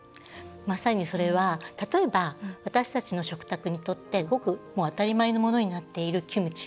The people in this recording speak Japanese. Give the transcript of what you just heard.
まさにそれは例えば、私たちの食卓にとってごく当たり前のものになっているキムチ。